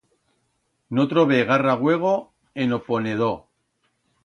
No trobé garra uego en o ponedor.